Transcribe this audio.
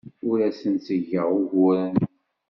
Ur asen-d-ttgeɣ uguren.